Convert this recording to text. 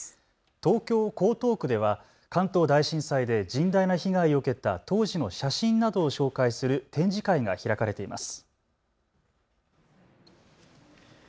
東京江東区では関東大震災で甚大な被害を受けた当時の写真などを紹介する展示会が開かれています。